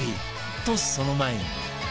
とその前に